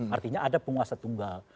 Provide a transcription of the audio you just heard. artinya ada penguasa tunggal